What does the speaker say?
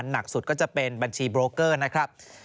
หนักสุดก็จะเป็นบัญชีโบรกเกอร์นะครับ